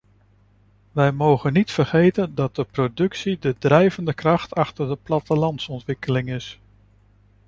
Wij mogen niet vergeten dat de productie de drijvende kracht achter de plattelandsontwikkeling is.